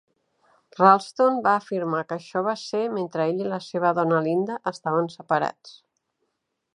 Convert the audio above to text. Ralston va afirmar que això va ser mentre ell i la seva dona Linda estaven separats.